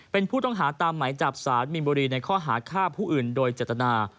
เป็นผู้ต้องหาตามไหมจับสารมินบุรีในข้อหาฆ่าผู้อื่นโดยเจตนา